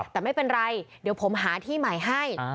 แต่ไม่เป็นไรเดี๋ยวผมหาที่ใหม่ให้